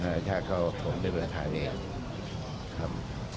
แล้วเรื่องของภูมิประมาณครับ